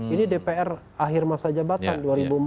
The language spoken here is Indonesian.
ini dpr akhir masa jabatan dua ribu empat belas